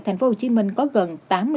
tp hcm có gần tám mươi bốn năm trăm linh